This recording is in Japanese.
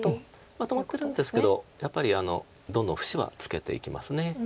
止まってるんですけどやっぱりどんどん節はつけていきます。